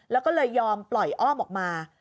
แล้วก็เลยยอมปล่อยอ้อมออกมา